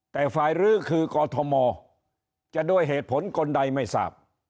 แต่ฝ่ายรื้อคือกอทมจะด้วยเหตุผลคนใดไม่ทราบ